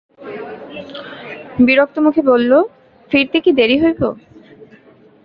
বিরক্ত মুখে বলল, ফিরতে কি দেরি হইব?